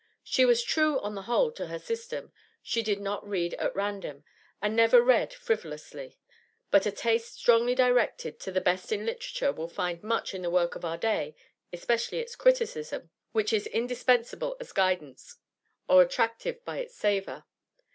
She was true on the whole to her system; she did not read at random, and never read frivolously; but a taste strongly directed to the best in literature will find much in the work of our day, especially its criticism, which is indispensable as guidance, or attractive by its savour.